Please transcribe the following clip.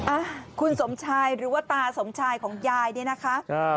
อ่ะคุณสมชายหรือว่าตาสมชายของยายเนี่ยนะคะอ่า